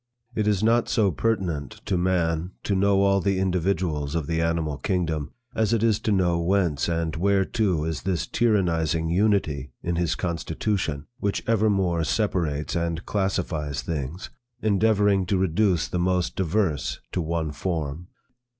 It is not so pertinent to man to know all the individuals of the animal kingdom, as it is to know whence and whereto is this tyrannizing unity in his constitution, which evermore separates and classifies things, endeavoring to reduce the most diverse to one form.